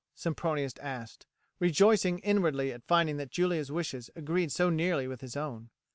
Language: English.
Sempronius asked, rejoicing inwardly at finding that Julia's wishes agreed so nearly with his own.